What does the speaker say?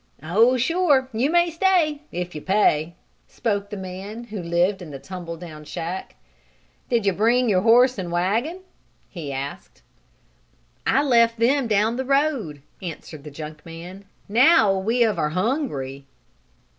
"Oh, sure you may stay if you pay!" spoke the man who lived in the tumble down shack. "Did you bring your horse and wagon?" he asked. "I left them down the road," answered the junk man. "Now we of are hungry."